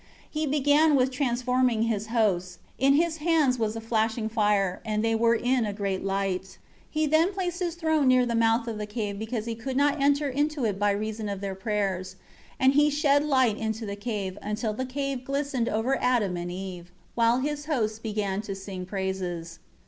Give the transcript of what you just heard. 2 He began with transforming his hosts; in his hands was a flashing fire, and they were in a great light. 3 He then placed his throne near the mouth of the cave because he could not enter into it by reason of their prayers. And he shed light into the cave, until the cave glistened over Adam and Eve; while his hosts began to sing praises.